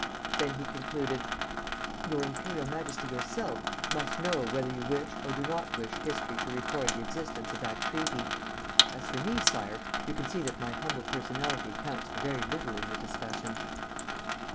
Then he concluded: "Your Imperial Majesty yourself must know whether you wish or do not wish history to record the existence of that treaty. As for me, Sire, you can see that my humble personality counts for very little in the discussion."